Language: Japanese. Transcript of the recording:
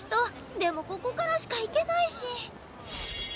でもここからしか行けないし。